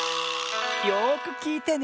よくきいてね。